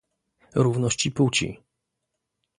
Równości Płci